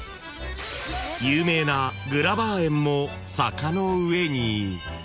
［有名なグラバー園も坂の上に］